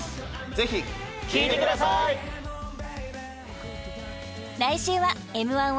ぜひ聴いてください！が大暴れ！